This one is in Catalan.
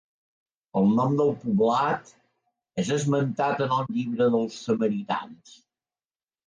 El nom del poblat és esmentat en el llibre dels samaritans.